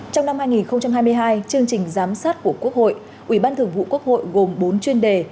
trong năm hai nghìn hai mươi hai chương trình giám sát của quốc hội ủy ban thường vụ quốc hội gồm bốn chuyên đề